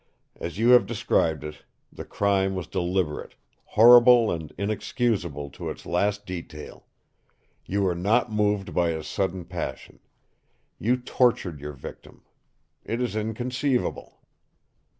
"As you have described it, the crime was deliberate horrible and inexcusable to its last detail. You were not moved by a sudden passion. You tortured your victim. It is inconceivable!"